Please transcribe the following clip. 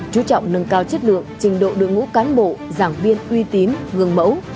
chú trọng nâng cao chất lượng trình độ đội ngũ cán bộ giảng viên uy tín gương mẫu